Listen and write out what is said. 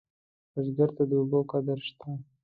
بزګر ته د اوبو قدر شته